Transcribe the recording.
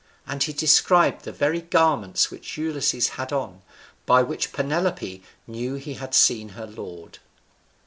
And he described the very garments which Ulysses had on, by which Penelope knew he had seen her lord.